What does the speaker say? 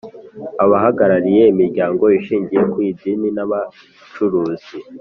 abahagarariye imiryango ishingiye ku idini n’abacuruzi;